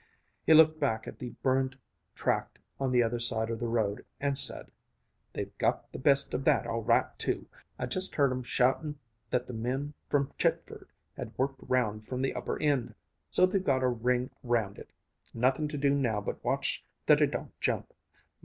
He looked back at the burned tract on the other side of the road and said: "They've got the best of that all right, too. I jest heard 'em shoutin' that the men from Chitford had worked round from the upper end. So they've got a ring round it. Nothin' to do now but watch that it don't jump.